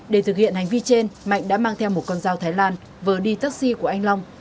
để thực hiện hành vi trên mạnh đã mang theo một con dao thái lan vừa đi taxi của anh long